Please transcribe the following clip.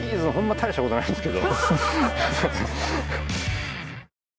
大した事ないんですけど。